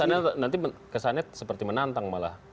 itu kesannya nanti seperti menantang malah